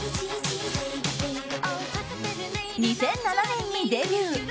２００７年にデビュー。